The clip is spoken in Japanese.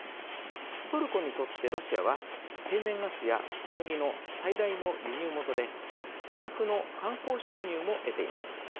トルコにとってロシアは天然ガスや小麦の最大の輸入元で多額の観光収入も得ています。